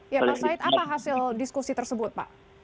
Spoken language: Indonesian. ya pak said apa hasil diskusi tersebut pak